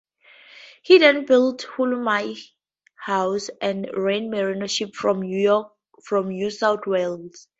He then built Wollomai House, and ran merino sheep from New South Wales.